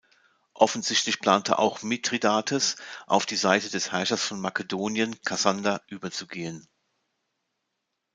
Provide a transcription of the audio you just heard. Offensichtlich plante auch Mithridates auf die Seite des Herrschers von Makedonien, Kassander, überzugehen.